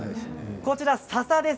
こちらの、ささです。